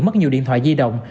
mất nhiều điện thoại di động